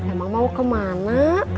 emang mau kemana